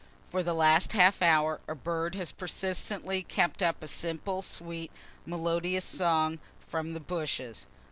For the last half hour a bird has persistently kept up a simple, sweet, melodious song, from the bushes.